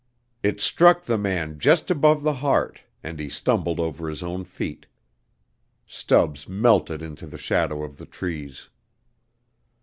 It struck the man just above the heart and he stumbled over his own feet. Stubbs melted into the shadow of the trees.